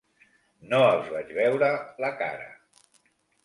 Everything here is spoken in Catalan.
No els vaig veure la cara.